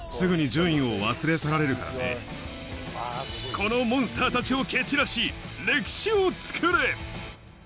このモンスターたちを蹴散らし、歴史を作れ。